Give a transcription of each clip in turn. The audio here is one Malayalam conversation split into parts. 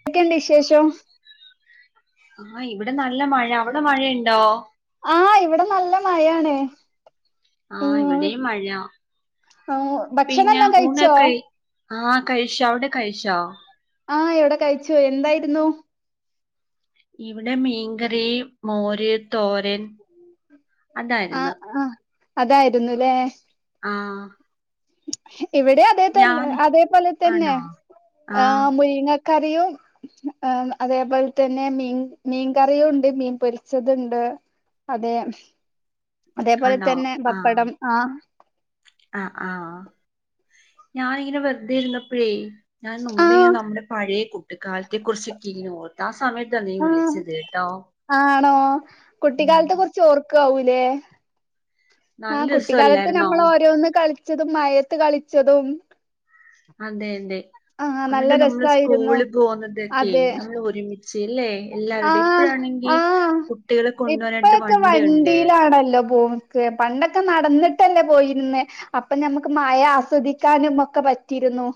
ന്തെക്കേണ്ട് വിശേഷം? ആഹ് ഇവടെ നല്ല മഴ. അവിടെ മഴയ്ണ്ടോ? ആഹ് ഇവ്ടെ നല്ല മഴാണ്. ആഹ് ഇവടേയും മഴ. ആഹ് പിന്നെ ഭക്ഷണെല്ലാം കഴിച്ചോ ഊണക്കൈ ആഹ് കഴിച്ചു. അവ്ടെ കഴിച്ചോ? ആഹ് ഇവ്ടെ കഴിച്ചു. എന്തായിരുന്നു? ഇവ്ടെ മീൻകറി, മോര്, തോരൻ അതായിരുന്നു ആഹ് ആഹ് അതായിരുന്നുല്ലേ ആഹ് ഇവിടെ അതേ തന്നെ ഞാൻ അതേപോലെ തന്നെ ആണോ ആഹ് മുരിങ്ങ കറിയു ആഹ് അതേപോലെ തന്നെ മീൻ മീൻ കറിയും ഉണ്ട് മീൻ പൊരിച്ചതുണ്ട് അതെ അതേപോലെ ആണോ തന്നെ ആഹ് പപ്പടം ആഹ് ആഹ് ആഹ് ഞാനിങ്ങനെ വെറുതെ ഇരുന്നപ്പോഴേ ഞാൻ മുമ്പേ ആഹ് ഇങ്ങനെ നമ്മുടെ പഴയ കുട്ടുകാലത്തെ കുറിച്ച് കിങ്ങനോർത്ത് ആഹ് സമയത്ത് സമയത്ത നീ ആഹ് വിളിച്ചത്ട്ടോ ചോർക്കാവൂലേ നല്ല ആഹ് കുട്ടിക്കാലത്ത് രസല്ലായിരുന്നോ നമ്മള് ഓരോന്ന് കളിച്ചതും മയത്ത് കളിച്ചതും അതെ അതെ ആഹ് നല്ല എന്നിട്ട് നമ്മള് രസായിരുന്നു സ്കൂളി പോകുന്നതൊക്കെ അതെ നമ്മള് ഒരുമി ച്ച്ല്ലേ എല്ലാവരുടെയും ആഹ് ഇപ്പഴാണെങ്കി ആഹ് കുട്ടികളെ കൊണ്ടപോവനായിട്ട് ഇപ്പൊഴൊക്കെ വണ്ടിയുണ്ട് ക്കെ പണ്ടൊക്കെ നടന്നിട്ടല്ലേ പോയിരുന്നേ അപ്പൊ നമക്ക് മഴ ആസ്വദിക്കാനും ഒക്കെ പറ്റിരുന്നു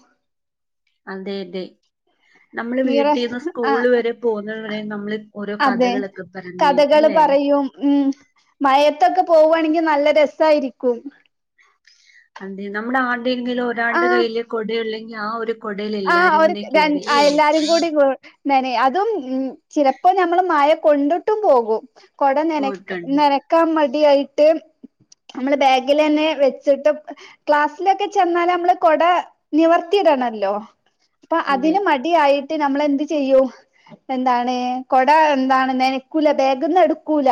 അതെ അതെ നമ്മള് നിറ വീട്ടിൽന്ന് സ്കൂള് ആഹ് വരെ പോകുന്ന വരെ നമ്മള് ഓരോ അതെ കഥകളൊക്കെ പറഞ്ഞ് കഥകള് അല്ലെ പറയും ഉം മയത്തൊക്കെ പോവുവാണെങ്കിൽ നല്ല രസായിരിക്കും അതേ നമ്മുടെ ആര്ടേങ്കിലും ഒരാൾടെ കയ്യില് കൊടേള്ളെങ്കില് ആഹ് ആഹ് ഒര് രൺ ആഹ് എല്ലാരും കൂടി താനെ അതും ഉം ചിലപ്പോ നമ്മള് മയ കൊണ്ട്ട്ടും പോകും. കൊട നെനക്ക് പോയിട്ടുണ്ട് നെനക്കാം മടി ആയിട്ട് നമ്മള് ബാഗിലെന്നെ വെച്ച്ട്ടും ക്ലാസ്സിലെക്കെ ചെന്നാല മ്മള് കൊട നിവർത്തിടണല്ലോ പ്പ അതെ അതിന് മട്യായ്ട്ട് നമ്മളെ ന്ത് ചെയ്യും പ്പ ന്താണ് കൊട എന്താണ് നനക്കൂല ബെഗ്ന്ന് എട്ക്കൂല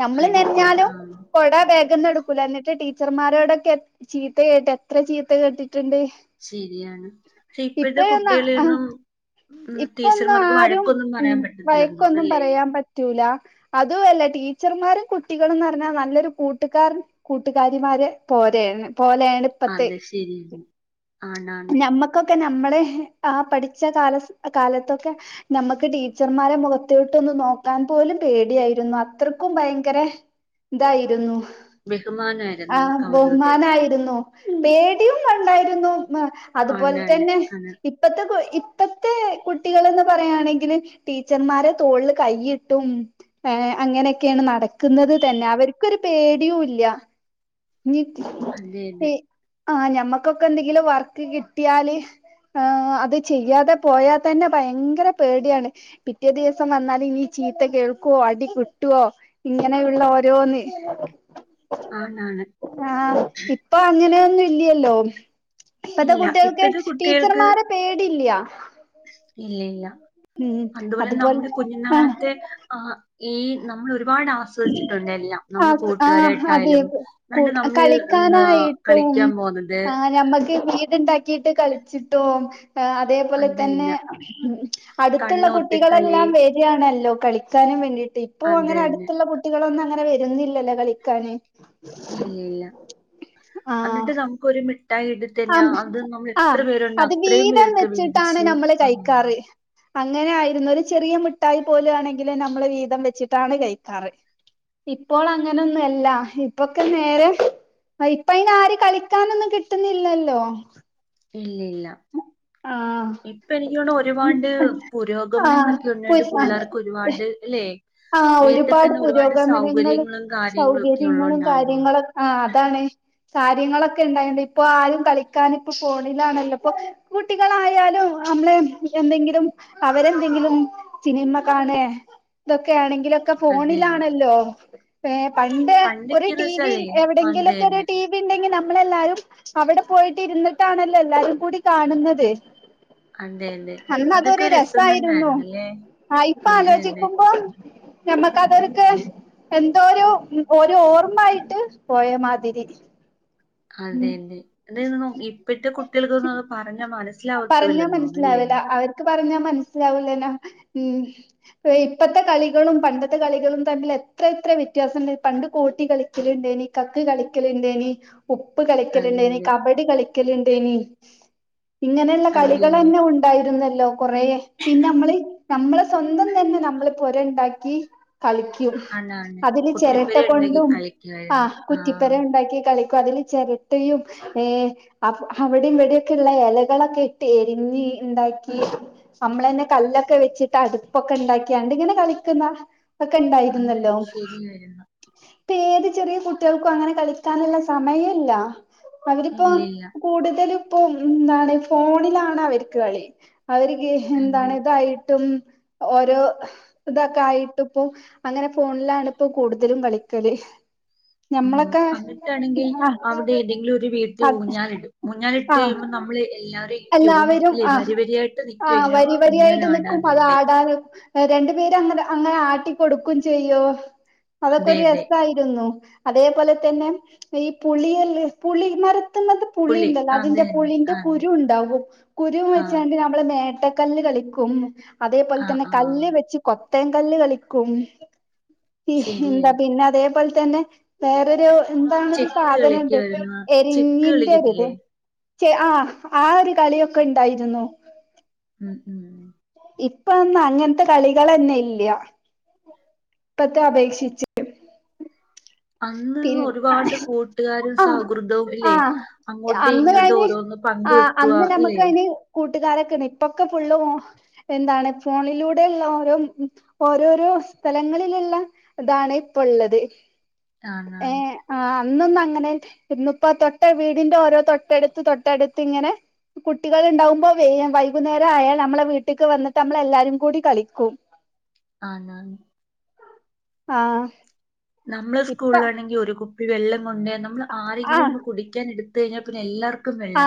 ഞ മ്മള് അടുക്കില്ല ആ നൻഞ്ഞാലും കൊട വേഗ്ന്ന് എട്ക്കൂല എന്ന്ട്ട് ടീച്ചർമാരോടൊക്കെ ചീത്ത കേട്ട് എത്ര ചീത്ത കേട്ട്ട്ട്ണ്ട്. ശെരിയാണ് പക്ഷെ ഇപ്പഴ്ത്തെ ആഹ് കുട്ട്യാളെന്നും ഉം ഇപ്പൊന്നും ടീച്ചർമാർക്ക് ആരും വഴക്കൊന്നും പറയാൻ പറ്റത്തില്ലന്ന് തോന്നുന്നല്ലേ റ്റൂല അതൂല്ല ടീച്ചർമാരും കുട്ടികളൂന്ന് പർഞ്ഞാ നല്ലൊര് കൂട്ടുകാർ കൂട്ടുകാരിമാരെ പോലേണ് പോലേണ് പ്പത്തെ അതെ ശരിയാണ് ആണാണ് നമ്മക്കൊക്കെ നമ്മളെ ആഹ് പഠിച്ച കാല കാലത്തൊക്കെ നമ്മക്ക് ടീച്ചർമാരെ മുഖത്തോട്ടൊന്ന് നോക്കാൻ പോലും പേടിയായിരുന്നു അത്രയ്ക്കും ഭയങ്കെരെ തായിര്ന്നു ബഹുമാനമായിരുന്നു ആഹ് നമുക്ക് അവരോട് ബഹുമാനായിര്ന്നു പേടിയും കണ്ടായിര്ന്നു അതുപോലെ ആണാണ് തന്നെ ആണ് ഇപ്പത്തെ ഇപ് പ്പത്തെ കുട്ടി കളെന്ന് പറയാണെങ്കില് ടീച്ചർമാരെ തോളില് കൈയ്യിട്ടും ഏഹ് അങ്ങനെക്കേണ് നടക്ക്ന്നത് തന്നെ അവർക്കൊരു പേട്ല്ല ഞ്ഞി അതെ അതെ ഇ ആഹ് ഞമ്മക്കെക്കെ ന്തെങ്കിലും വർക്ക് ക്ട്ട്യാല് [unintelligible] അത് ചിയ്യാതെ പോയാതെ തന്നെ ഭയങ്കര പേട്യാണ്. പിറ്റേ ദിവസം വന്നാല് ഈ ചീത്ത കേൾക്കോ അടിക്ട്ടോ ഇങ്ങനെയുള്ള ഓരോന്ന് ആന്നാണ് ആഹ് ഇപ്പ അങ്ങനെയന്നും ല്ല്യല്ലോ. ഇപ്പത്തെ ഇല്ല കുട്ട്യാൾക്ക് ഇപ്പഴത്തെ കുട്ടികൾക്ക് ടീച്ചർമാരെ പേടില്ല്യാ. ഇല്ല ഇല്ല അതുപോലെ നമ്മുടെ കുഞ്ഞു ആഹ് നാളത്തെ ആഹ് ഈ നമ്മളൊര് പാട് ആഹ് ആസ്വദിച്ചിട്ടുണ്ട് എല്ലാം നമ്മള് ആഹ് ആഹ് അതെ കൂട്ടുകാരായിട്ടായാലും ന്നട്ട് നമ്മള് എന്താ ട്ടും കളിക്കാൻ പോകുന്നത് ആഹ് ഞമ്മക്ക് വീട്ണ്ടാക്കീട്ട് കളിച്ചിട്ടും ആഹ് അതേപോലെ തന്നെ അട്ത്ത്ള്ള കണ്ണുകുത്തിക്കളി കുട്ടികളെല്ലാം വേ യാണല്ലോ കളിക്കാനും വേണ്ടീട്ട് ഇപ്പൊ അത് അങ്ങനെ തന്നെ അട്ത്ത്ള്ള കുട്ടികളൊന്നും അങ്ങനെ വര്ന്നില്ലല്ലോ കളിക്കാന്. ഇല്ല അന്നിട്ട് നമുക്കൊര് മിഠായിട് ആന്ന് ആഹ് അത് വീതം പേർക്ക് വെച്ച്ട്ടാണ് വീതിച്ച് ഞമ്മള് ആ കഴിക്കാറ്. അങ്ങനെ ആയിരുന്നു ഒരു ചെറിയ മിഠായി പോലു ആണെങ്കില് ഞമ്മള് വീതം വെച്ച്ട്ടാണ് കഴിക്കാറ്. ഇപ്പോൾ അങ്ങനെന്നു ല്ല ഇപ്പൊക്കെ നേരെ അയ് പ്പയ് നാരിം ക്കളിക്കാനൊന്നും കിട്ടുന്നില്ലല്ലോ. ഇല്ല ഇല്ല. ആഹ് ഇപ്പ എനിക്ക് തോന്ന്ണ ഒരുപാട് പുരോഗമനങ്ങളൊക്കെ ന്നോണ്ട് പുള്ളേർക്ക് ഒരുപാട് ല്ലെ. ആഹ് ഒരുപാട് പുരോഗമനങ്ങളും സൗകര്യങ്ങളും കാര്യങ്ങളും ഒക്കെ സൗകര്യങ്ങളും ഉള്ളോണ്ടാന്ന് തോന്നുന്നു കാര്യങ്ങളൊ ആഹ് അതാണ് കാര്യങ്ങളൊക്കെ ണ്ടായോണ്ട് ഇപ്പൊ ആരും കളിക്കാന് പ്പൊ ഫോണിലാണല്ലോപ്പൊ കുട്ടികളായാലും അമ്മളെ എന്തെങ്കിലും അവരെന്തെങ്കിലും ച്ചിനിമ കാണേഏ ഇതൊക്കെ ആണെങ്കിലൊക്കെ അത് തന്നെ ഫോണിലാണല്ലോ. പെ പണ്ട് ഒര് പണ്ടൊക്കെന്ന് ടി. വി വെച്ചാലേ എവിടെ അത് യെങ്കിലൊക്കെര് തന്നെ ടി ണ്ടെങ്കി നമ്മളെല്ലാരും അവടെ പോയിട്ട് ഇര്ന്ന്ട്ടാണല്ലോ എല്ലാരും കൂടി കാണ്ന്നത്. അതെ അതെ അതൊക്കെ രസം തന്നെ രസായിരുന്നു ആയിരുന്നല്ലേ അത് തന്നേ. പ്പം ഞമ്മക്കതൊർക്കെ എന്തോ ഒരു ഒരു ഓർമ്മായിട്ട് പോയേ മാതിരി ഉം അതെതെ [unintelligible] ഇപ്പത്തെ കുട്ടികൾക്ക് ന്നെഅത് പറഞ്ഞ മന പറഞ്ഞാ മനസ്സിലാവില്ല അവർക്ക് പറഞ്ഞ മനസ്സിലാവൂല ല്ലോ ഉം. ഇപ്പത്തെ കളികളും പണ്ടത്തെ കളികളും തമ്മിൽ എത്ര എത്ര വ്യത്യാസണ്ട് പണ്ട് കോട്ടികളി ല് ണ്ടേനി കക്ക് കളിക്കല് ണ്ടേനി ഉപ്പ് അത് കളിക്കല്ണ്ടേനി തന്നെ കബഡി കളിക്കല്ണ്ടേനി ഇങ്ങനെള്ള അത് തന്നെ കളികളന്നെ ഉ ഉണ്ടായിരുന്നല്ലോ കൊറേ പിന്നെ മ്മള് ഞമ്മള് സ്വന്തം തന്നെ നമ്മള് പൊര ഉണ്ടാക്കി കളിക്കും ആണാണ് അതില് ചേരട്ട കുട്ടിപ്പര ഉണ്ടാക്കി കൊണ്ടും കളിക്കുമായിരുന്നു ആഹ് ആ കുറ്റിപ്പര ഉണ്ടാക്കി കളി അതില് ചേരട്ടയും ഏ അവ് അവിടേം ഇവിടേം ക്കേള്ള യല കളൊക്കെ ഇട്ട് എരിഞ്ഞ് ണ്ടാക്കീ നമ്മളന്നെ കല്ലൊക്കെ വെച്ചിട്ട് അടുപ്പൊക്കെണ്ടാക്കിയാണ്ട് ഇങ്ങനെ കളിക്ന്നാ ഒക്കെ അത് ണ്ടായിരുന്നല്ലോ. ശരിയായിരുന്നു ഇപ്പ ഏത് ചെറിയ കുട്ട്യാൾക്കും അങ്ങനെ കളിക്കാന്ള്ള സമയല്ല. അവരിപ്പോ ഇല്ലില്ല കൂടുതല് പ്പൊ എന്താണ് ഫോണിലാണ് അവർക്ക് കളി. അവര് ഇ എന്താണ് അതെ ഇതായിട്ടും ഓരോ ഇതൊക്കെ ആയിട്ടും പ്പൊ അങ്ങനെ ഫോൺലാണ്പ്പോ കൂടുതലും കളിക്കല്. ആഹ് ഞമ്മളൊക്കെ അന്ന്ട്ടാണെങ്കിൽ ആഹ് അവടെ ഏവിടെങ്കിലും ഒരു വീട്ടില് അത് ഊഞ്ഞാലിടും ഊഞ്ഞാലിട്ട് കഴിയുമ്പോം ആഹ് നമ്മള് എല്ലാവരെയും ക്യൂ എല്ലാവരും നിക്കില്ലേ ആഹ് വരി വരിയായിട്ട് നിക്കോ ഇങ്ങനെ ഊഞ്ഞാൽ ആടാൻ വേണ്ടി. [unintelligible] രണ്ട് പേര് അങ്ങനെ അങ്ങനെ ആട്ടികൊടുക്കും ചെയ്യും അതൊക്കെ അതെ അതെ രസായി അതേപോലെ തന്നെ ഈ പുളി അല്ലെ, പുളി മരത്ത് മേ പുളി പുള്ളി ഇണ്ടല്ലോ, അത് അതിന്റെ തന്നെ പുുള്ളിന്റെ കുരു അതെ കുരു ഉണ്ടാവും. കുരു ആ വെച്ചാണ്ട് നമ്മളൾ നെട്ട കല്ല് കളിക്കും. അതേപോലെ ആ തന്നെ ആ കല്ല് വെച്ച് കൊത്തേകല്ല് കളിക്കും. ഹിഹിഎന്താ ശരിയായി പിന്നെ അതേപോലെ തന്നെ വേറരു എന്താാണ് ഒരു ചെക്ക് സാധനണ്ട് കളിക്കുമായിരുന്നു ചെക്ക് എരിഞ്ഞിന്റെ ഒരിത്. കളിക്കത്തില്ലേ ച്ചെ, ആ, ഒരു കളിയൊക്കെ ഉണ്ടായിരുന്നു. ഉം, ഉം. ഇപ്പന്ന, അങ്ങനത്തെ കളികളന്നെ ഇല്ല. ഇപ്പത്തെ അപേക്ഷിച്ച് പിൻ അന്ന്ഒരുപാട് കൂട്ടുകാരും ആ സൗഹൃദവും ആ ഇല്ലേ, അങ്ങോട്ടും അന്ന് ഇങ്ങോട്ട് കഴിഞ്ഞ് ഓരോന്ന് ആ, പങ്കുവെക്കുക അന്ന് ഞമ്മക് ഇല്ലേ അയി ന് കൂട്ടുകാരൊക്കെണ്ട്ഇപ്പൊക്കെ ഫുള്ള എന്താണ് ഫോണിലൂടെയുള്ള ഓരോ ഓരോരോ സ്ഥലങ്ങളിലുള്ള അതാണ് ഇപ്പള്ളത്. ഏ, ആണാണ് ആ, അന്നൊന്ന് അങ്ങനെ ഇന്നിപ്പ തൊട്ട വീടിന്റെ ഓരോ തൊട്ടടുത്ത് തൊട്ടടുത്ത് ഇങ്ങനെ കുട്ടികൾ ഉണ്ടാവുമ്പോ വേ വൈകുന്നേരം ആയാൽ നമ്മളെ വീട്ടേക്ക് വന്നിട്ട് നമ്മളെല്ലാരും കൂടി കളിക്കും. ആണ്. ആ. നമ്മൾ ഇപ്പ സ്കൂളിലാണെങ്കിൽ ഒരു കുപ്പി വെള്ളം കൊണ്ട നമ്മൾ ആ ആരെങ്കിലും ഒന്ന് കുടിക്കാൻ എടു ത്തുകഴിഞ്ഞൽ പിന്നെല്ലാർ ആ,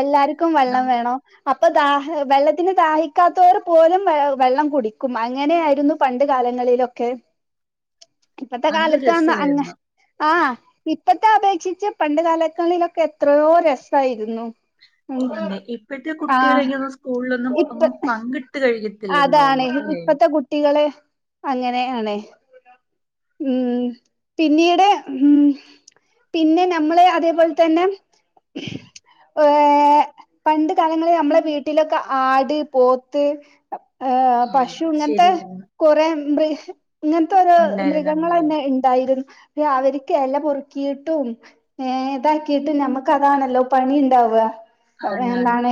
എല്ലാർക്കും വെള്ളം വെണോ? അപ്പോ, ദാ വെള്ളത്തിന് ദാഹിക്കാത്തവർ പോലും വെള്ളം കുടിക്കും. അങ്ങനെയായിരുന്നു. പണ്ട് കാലങ്ങളിലൊക്കെ [inaudible] ഇപ്പത്തെ അത് കാലത്ത് ന്നാ അങ് രസായിരുന്നു. ആ, ഇപ്പത്തെ അപേക്ഷിച്ച് പണ്ട് കാലങ്ങളിലൊക്കെ എത്രയോ രസ രസയിരുന്നു. അതെ, ഇപ്പോഴത്തെ കുട്ടികൾ എനിക്കു തോന്നുന്നു ഒന്ന് സ്കൂളിൽഒ ന്നും ഇപ്പ ഒന്നും പങ്കിട്ട്. കൈകാക്കത്തില്ല. അതാണ് ഇപ്പത്തെ കുട്ടികൾ അങ്ങനെയയാണ്. - ഉം. പിന്നിട്, ഉം. പിന്നെ ഞ്ഞമ്മൾ അതേപോലെ തന്നെ ഏഹ പണ്ട് കാലങ്ങളിൽ നമ്മളെ വീട്ടിലൊക്കെ ആട് പോത്ത് ശരി, ഇന്ന. കുറേ മൃഗ ഇങ്ങനത്തെ ഒരോ ഉണ്ടായിരുന്നു മൃഗങ്ങളെ ഉണ്ടായിരുന്നു തന്നെഉണ്ട്. എന്തായിരുന്നു. അവർക്ക് ഇല പൊറുക്കിയിട്ടും ഏ, ഇതാക്കിട്ട് ഞാമ്മക്ക് അതാണല്ലോ പണി ഉണ്ടാവുക. അത്, ആണാണ് എന്താണ്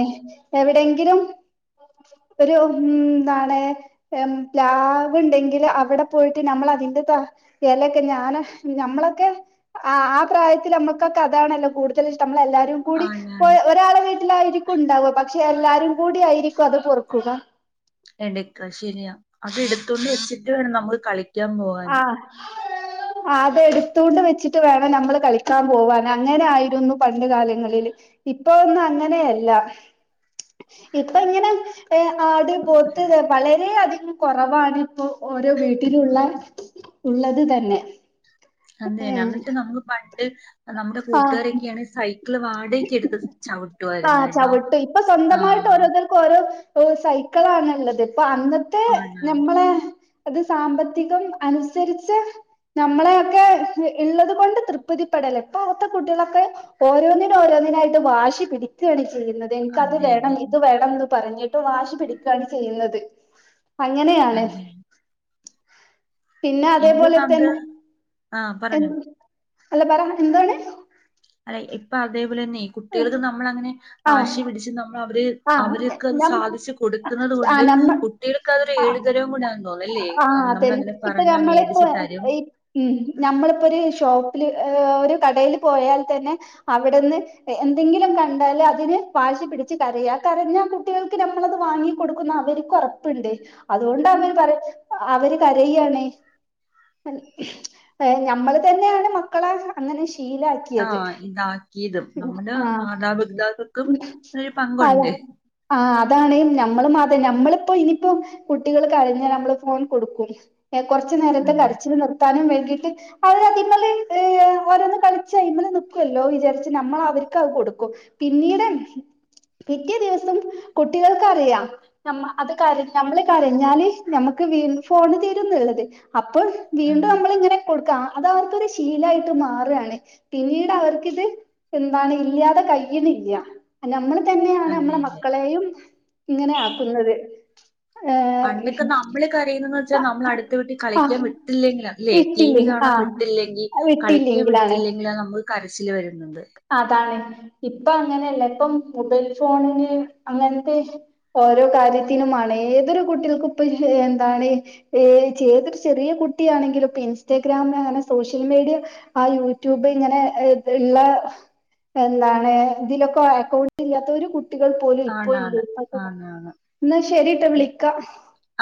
എവിടെയെങ്കിലും ഒരു എന്താണ്, ലാഭഉണ്ടെങ്കിൽ അവിടെ പോയിട്ട് നമ്മൾ അതിന്റെ ത ഇലക്കെ ഞാന് നഞമ്മളൊക്കെ ആ, ആ, പ്രായത്തിൽ നമ്മുക്ക് ആ അതാ ണല്ലോ കൂടുതൽ ഇഷ്ട നമ്മൾ എല്ലാരും കൂടി, ആണാണ് ഒരാളെ വീട്ടിലായിരിക്കും ഉണ്ടാവുക പക്ഷേ എല്ലാരും കൂടിയയിരിക്കും അത് പൊറു ക്കുക. എണ്ടയ്ക്ക ശരിയാ [unintelligible] അത് എടുത്തോണ്ട് വെച്ചിട്ട് വേണം നമ്മൾ കളിക്ക ആ. എന്റെ സ്കിൻ ഭരങ്കര സെൻസിറ്റീവ് ആയതുകൊണ്ട് ഞാൻ ആ- [inaudible] അത് എടുത്തൊണ്ട് വെച്ചിട്ട് വേണം നമ്മൾ കളിക്കാൻ പോവാൻ അങ്ങനെ ആയിരുന്നു പണ്ട് കാലങ്ങളിൽ ഇപ്പൊ ഒന്നും അങ്ങനെയല്ല ഇപ്പൊ ഇങ്ങനെ ഏഹ് ആട് പോത്ത് വളര അധികം കുറവാാണ് ഇപ്പോ ഓരോ വീട്ടിലുള്ള ഉള്ളത് തന്നെ അന്ത് തന്നെ ഏഹ് എന്നിട്ട് നമ്മക്ക് പണ്ട് നമ്മുടെ ആഹ് കൂട്ടുകാരൊക്കെയാണ് സൈ മക്കള് വാടകക്ക എടുത്ത് ആ ചവിട്ടിയിരുന്നുട്ടോ ചവിട്ടും ഇപ്പൊ സ്വന്തമായിട്ട് ആഹ് ഓരോരുത്തർക്ക് ഓരോ സൈക്കിളാണ് ഉള്ളത് ഇപ്പൊ അന്നത്തെ ആണാണ് ഞമ്മളെ അത് സാമ്പത്തികം അനുസരിച്ച് നമ്മളെയൊക്കെ ഇള്ളത് കൊണ്ട് തൃപ്തിപ്പെടലേ ഇപ്പാത്തെ കുട്ടികളൊക്കെ ഓരോന്നും ഓരോന്നിനായിട്ട് വാശി പിടിക്കുകയാണ് ചെയ്യുന്നത് എനിക്കത് അതെ അതെ വേണം ഇത് വേണംന്ന് പറഞ്ഞിട്ട് വാശി പിടിക്കയാണ് ചെയ്യുന്നത് അങ്ങനെയാണ്. അതെ. പിന്നെ എനിക്ക് അതേപോലെ തോന്നുന്നു തന്നെ അത് ആ എ പറഞ്ഞോ. അല്ല പറ എന്താണ് അല്ലെ ഇപ്പൊ അതേപോലെ തന്നെ കുട്ടികൾക്ക് നമ്മള അങ്ങനെ ആ വാശി പിടിച്ച് നമ്മൾ അവര് ആ അവരൊക്കെ അത് നമ്മ സാധിച്ചച്ച് കൊടുക്കുന്നത് ആ കൊണ്ട് നമ്മ കുട്ടികൾക്ക്തൊരു ആ എഏഴുതരവും കൂട തോന്നല്ലേ ആഹ് അവടെ നമ്മള അതന്നെ അങ്ങനെ. ഇപ്പൊ പറഞ്ഞാ നമ്മളിപ്പോ മേടിച്ചു തരും. ഈ ഉം നഞമ്മളിപ്പോ ഒരു ഷോപ്പില് ഒരു കടയിൽ പോയാൽ തന്നെ അവിടുന്ന് എന്തെങ്കിലും കണ്ടാൽ അതിന് വാശിപിടിച്ച് കരയാ കരഞ്ഞാൽ കുട്ടികൾക്ക് നമ്മളത് വാങ്ങി. ക കൊടുക്കുന്ന അവർ കൊറപ്പുണ്ട് അതുകൊണ്ട് അവൻ പറയും അവര് കരയണ് ഞമ്മള് തന്നെയാണ് മക്കളെ അങ്ങനെ ശീലക്കാ ആഹ് ഇതാക്കിയതും നമ്മള് മാതാപിതാക്കൾ അത ആഹ് അതാണ് നമ്മളും അത നമ്മളിപ്പോ ഇനിയിപ്പോം കുട്ടികൾ കരഞ്ഞാൽ നമ്മള് ഫോൺ കൊടുക്കും കൊറച്ചു നേരത്തെ അതെ. കരച്ചിൽ നിർത്താനും വേണ്ടിട്ട് അവര് അതിമല് ഓരോന്ന് കളിച്ച് അതിൻ മേൽ നറക്കുവല്ലോ വിചാരിച്ച് നമ്മൾ അവർക്ക് അത് കൊടുക്കും. പിന്നീട് പിറ്റേ ദിവസം കുട്ടികൾക്കറിയാം. ന അത് ക നമ്മള് കരഞ്ഞാല് നഞമ്മക്ക് വീ ഫോണ് തരുംന്നള്ളത് അപ്പ. വീണ്ടും അതെ. നമ്മളിങ്ങനെ കൊടുക്കാം അത് അവർക്കൊരു ശീലായിട്ട് മാറുകയാണ് പിന്നീട് അവർക്കിത് എന്താണ് ഇല്ലാതെ കൈണില്ല നമ്മൾ തന്നെയാണ് അതെ. നമ്മളെ അതെ. മക്കളെയും ഇങ്ങനെ ആക്കുന്നത്. ഏഹ് പണ്ടൊക്കെ നമ്മള് കരയുന്നതന്ന് വെച്ചാൽ നമ്മൾ അടുത്ത വീട്ടി കളിക്കാൻ ആഹ് വിട്ടില്ലെങ്കില. അല്ലെ ടി വി വിട്ടില്ലേ കാണാൻ ആഹ് വിട്ടില്ലെങ്കിൽ കളിക്കാൻ വിട്ടില്ലെങ്കിലാണ് വിട്ടത്തില്ലെങ്കിലാ നമ്മക്ക് കരച്ചില് വരുന്നത്. അതാണ് ഇപ്പ അങ്ങനെയല്ല ഇപ്പം മൊബൈൽ ഫോണിന് അങ്ങനത്തെ ഓരോ കാര്യത്തിനുമാണ് ഏതൊരു കുട്ടികൾക്ക ഇപ്പ എന്താണ് ഏ ചെറിയൊരു ചെറിയ കുട്ടിയാണെങ്കിലും ഇപ്പൊ ഇൻസ്റ്റാഗ്രാം അങ്ങനെ സോഷ്യൽ മീഡിയ ആഹ് യൂട്യൂബ് ഇങ്ങനെ ഇള്ള എന്താണ് ഇതിലൊക്കെ അക്കൗണ്ടല്ലാത്ത കു കുട്ടികൾ പോലും ഇപ്പോ ഇല്ല ആണാണ്. ആണാണ്. എന്നാ ശരിട്ടാ വിളിക്കാം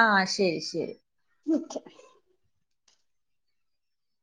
ആഹ് ശരി ശരി മക്ക